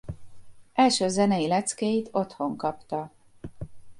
Első zenei leckéit otthon kapta.